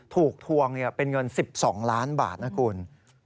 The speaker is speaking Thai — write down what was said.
ถูกทวงเป็นเงิน๑๒ล้านบาทนะคุณ